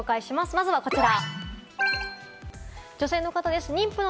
まずはこちら。